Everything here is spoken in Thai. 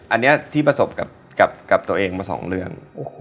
อันนี้ที่ประสบกับตัวเองมา๒เรื่อง